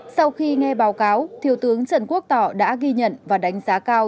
sau khi nghe báo cáo thiếu tướng trần quốc tỏ đã ghi nhận và đánh giá cao